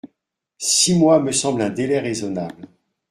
Six mois me semblent un délai raisonnable.